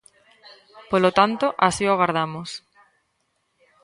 Polo tanto, así o agardamos.